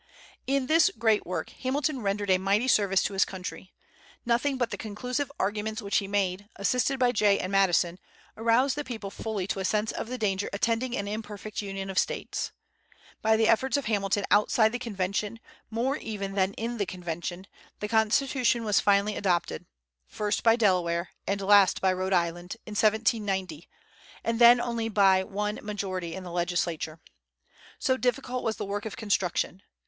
In this great work Hamilton rendered a mighty service to his country. Nothing but the conclusive arguments which he made, assisted by Jay and Madison, aroused the people fully to a sense of the danger attending an imperfect union of States. By the efforts of Hamilton outside the convention, more even than in the convention, the Constitution was finally adopted, first by Delaware and last by Rhode Island, in 1790, and then only by one majority in the legislature. So difficult was the work of construction.